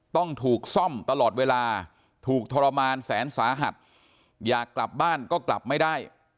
ต้องถูกซ่อมตลอดเวลาถูกทรมานแสนสาหัสอยากกลับบ้านก็กลับไม่ได้